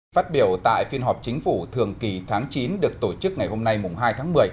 phát biểu tại phiên họp chính phủ thường kỳ tháng chín được tổ chức ngày hôm nay hai tháng một mươi